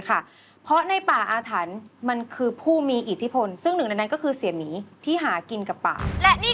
แต่ถ้าแม่บอกอยากให้ลูนิจเป็นลูนิจก็มาเป็นก็ได้